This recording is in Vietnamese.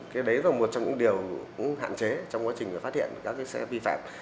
cái đấy là một trong những điều cũng hạn chế trong quá trình phát hiện các cái xe vi phạm